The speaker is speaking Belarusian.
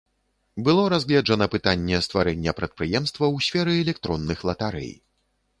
Было разгледжана пытанне стварэння прадпрыемства ў сферы электронных латарэй.